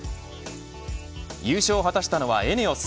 優勝を果たしたのはＥＮＥＯＳ。